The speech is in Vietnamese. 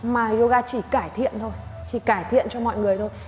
mà yoga chỉ cải thiện thôi chỉ cải thiện cho mọi người thôi